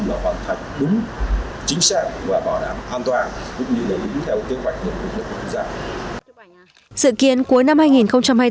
là hoàn thành đúng chính xác và bảo đảm an toàn cũng như lấy ý theo kế hoạch của quân đội quân gia